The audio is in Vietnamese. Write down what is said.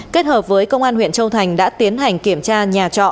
kết hợp với công an huyện châu thành đã tiến hành kiểm tra nhà trọ